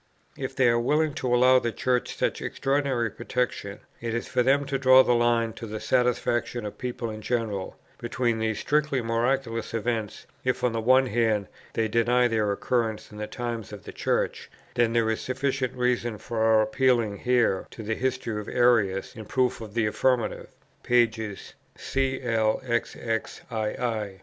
If they are willing to allow to the Church such extraordinary protection, it is for them to draw the line to the satisfaction of people in general, between these and strictly miraculous events; if, on the other hand, they deny their occurrence in the times of the Church, then there is sufficient reason for our appealing here to the history of Arius in proof of the affirmative." p. clxxii.